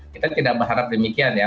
kita tidak berharap demikian ya